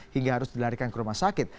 hingga harus dilarikan ke rumah sakit